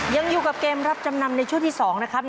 ยังอยู่กับเกมรับจำนำในช่วงที่๒นะครับ